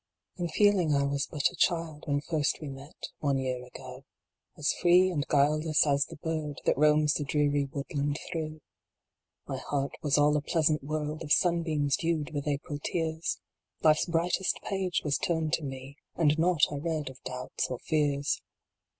T N feeling I was but a child, When first we met one year ago, As free and guileless as the bird, That roams the dreary woodland through. My heart was all a pleasant world Of sunbeams dewed with April tears : Life s brightest page was turned to me, And naught I read of doubts or fears.